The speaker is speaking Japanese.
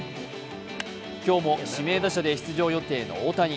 今日も指名打者で出場予定の大谷。